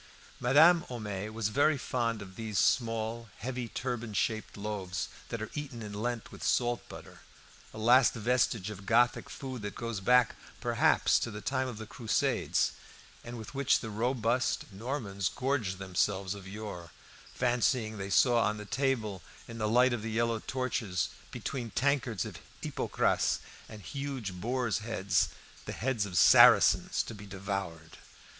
Madame Homais was very fond of these small, heavy turban shaped loaves, that are eaten in Lent with salt butter; a last vestige of Gothic food that goes back, perhaps, to the time of the Crusades, and with which the robust Normans gorged themselves of yore, fancying they saw on the table, in the light of the yellow torches, between tankards of hippocras and huge boars' heads, the heads of Saracens to be devoured.